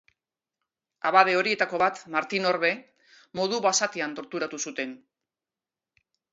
Abade horietako bat, Martin Orbe, modu basatian torturatu zuten.